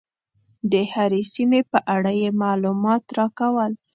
د هرې سیمې په اړه یې معلومات راکول.